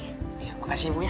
iya makasih ibu ya